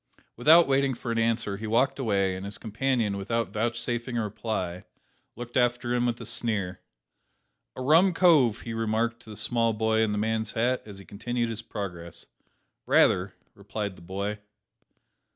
Without waiting for an answer he walked away, and his companion, without vouchsafing a reply, looked after him with a sneer. "A rum cove!" he remarked to the small boy in the man's hat, as he continued his progress. "Rayther," replied the boy.